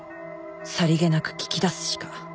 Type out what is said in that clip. さりげなく聞き出すしか